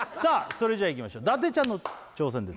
それじゃいきましょう伊達ちゃんの挑戦です